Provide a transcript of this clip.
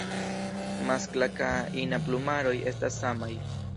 Maskla ka ina plumaroj estas samaj.